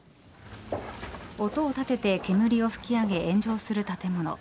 音を立てて煙を噴き上げ炎上する建物。